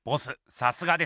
さすがです！